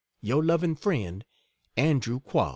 '' Your loving friend, Andrew Quoz.